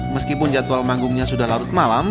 meskipun jadwal manggungnya sudah larut malam